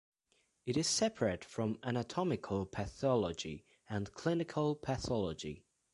It is separate from anatomical pathology and clinical pathology.